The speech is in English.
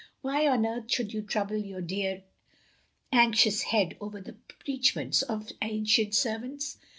Why on earth should you trouble your dear anxious head over the preachments of ancient servants?